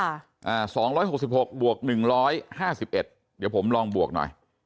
อ่าสองร้อยหกสิบหกบวกหนึ่งร้อยห้าสิบเอ็ดเดี๋ยวผมลองบวกหน่อย